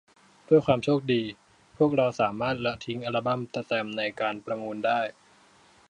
ด้วยความโชคดี พวกเราสามารถละทิ้งอัลบั้มแสตมป์ในการประมูลได้